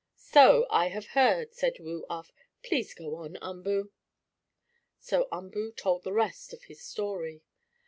"So I have heard," said Woo Uff. "Please go on, Umboo." So Umboo told the rest of his story.